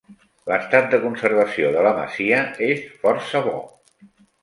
L'estat de conservació de la masia és força bo.